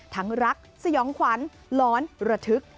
ทั้งรักสยองขวัญหลอนระทึก